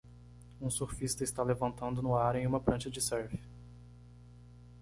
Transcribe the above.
Um surfista está levantando no ar em uma prancha de surf.